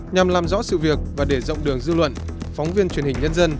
nhằm làm rõ sự việc và để rộng đường dư luận phóng viên truyền hình nhân dân